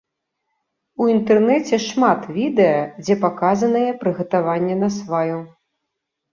У інтэрнэце шмат відэа, дзе паказанае прыгатаванне насваю.